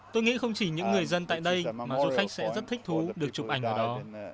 tôi nghĩ không chỉ những người dân tại đây mà du khách sẽ rất thích thú được chụp ảnh ở đó